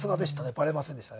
バレませんでしたね。